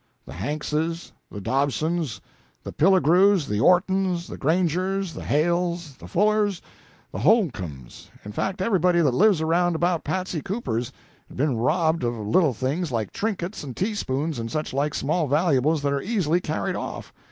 The Hankses, the Dobsons, the Pilligrews, the Ortons, the Grangers, the Hales, the Fullers, the Holcombs, in fact everybody that lives around about Patsy Cooper's has been robbed of little things like trinkets and teaspoons and such like small valuables that are easily carried off.